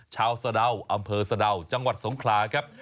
สะดาวอำเภอสะดาวจังหวัดสงขลาครับ